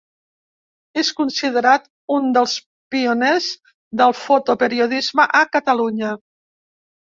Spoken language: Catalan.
És considerat un dels pioners del fotoperiodisme a Catalunya.